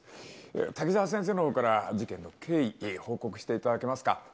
たきざわ先生のほうから事件の経緯、報告していただけますか。